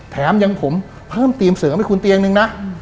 แถมยังผมเพิ่มทีมเสริมให้คุณเตียงนึงนะ